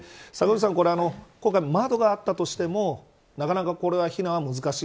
今回、窓があったとしてもなかなかこれは避難は難しい。